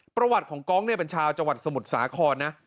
ประวัติของกองเนี่ยเป็นชาวจังหวัดสมุทรสาครนะ